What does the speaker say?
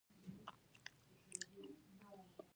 کاري ځواک له وسایلو سره یو ځای کېږي